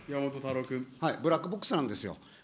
ブラックボックスなんですよ。